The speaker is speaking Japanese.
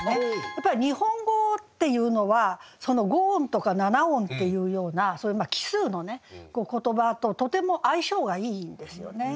やっぱり日本語っていうのはその５音とか７音っていうようなそういう奇数の言葉ととても相性がいいんですよね。